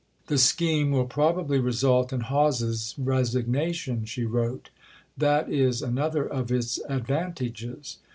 "The scheme will probably result in Hawes's resignation," she wrote; "that is another of its advantages."